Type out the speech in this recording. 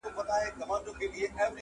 • سلماني ویل خبره دي منمه -